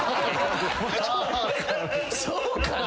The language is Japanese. そうかな？